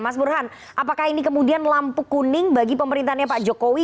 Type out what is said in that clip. mas burhan apakah ini kemudian lampu kuning bagi pemerintahnya pak jokowi